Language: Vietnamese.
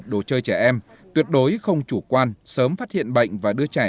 đồ chơi trẻ em tuyệt đối không chủ quan sớm phát hiện bệnh và đưa trẻ